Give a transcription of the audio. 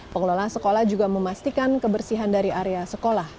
pengelola sekolah juga memastikan kebersihan dari area sekolah